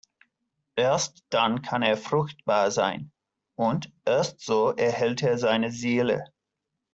Erst dann kann er fruchtbar sein, und erst so erhält er seine Seele.